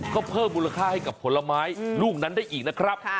ก็เพิ่มมูลค่าให้กับผลไม้ลูกนั้นได้อีกนะครับ